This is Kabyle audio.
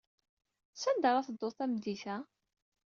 Sanda ara tedduḍ tameddit-a?